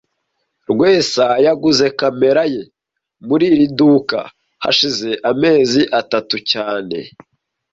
Rwesa yaguze kamera ye muri iri duka hashize amezi atatu cyane